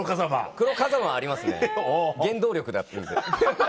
黒風間はありますね原動力だったんで。